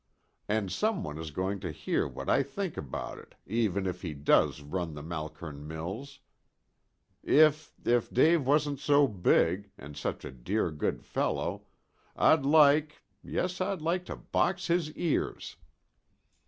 And some one is going to hear what I think about it, even if he does run the Malkern Mills. If if Dave wasn't so big, and such a dear good fellow, I'd like yes, I'd like to box his ears.